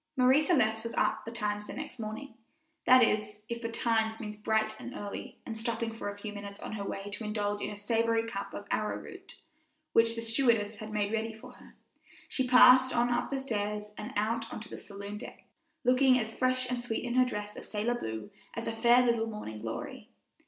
Marie Celeste was up betimes the next morning that is, if betimes means bright and early, and, stopping for a few minutes on her way to indulge in a savory cup of arrowroot, which the stewardess had made ready for her, she passed on up the stairs and out on to the saloon deek, looking as fresh and sweet in her dress of sailor blue as a fair little morning glory.